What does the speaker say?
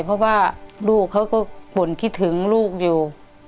เพราะว่าลูกเขาก็บ่นคิดถึงลูกอยู่